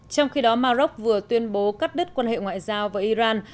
trong khi đó maroc vừa tuyên bố cắt đứt quan hệ ngoại giao với iran